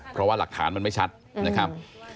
เพราะว่าหลักฐานมันไม่ชัดนะครับ